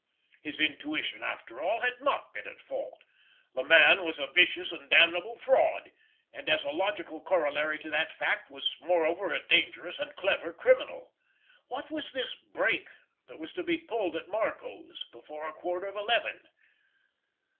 His intuition, after all, had not been at fault. The man was a vicious and damnable fraud, and, as a logical corollary to that fact, was moreover a dangerous and clever criminal. What was this "break" that was to be "pulled" at Marco's before a quarter of eleven?